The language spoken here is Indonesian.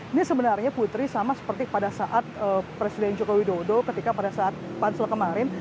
ini sebenarnya putri sama seperti pada saat presiden joko widodo ketika pada saat pansel kemarin